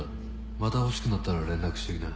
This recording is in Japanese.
また欲しくなったら連絡してきな。